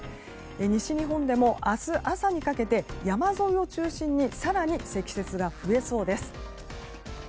西日本でも明日朝にかけて山沿いを中心に更に積雪が増えそうです。